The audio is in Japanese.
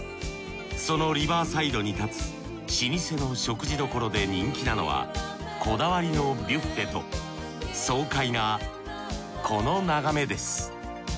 そのリバーサイドに建つ老舗の食事処で人気なのはこだわりのビュッフェと爽快なこの眺めです。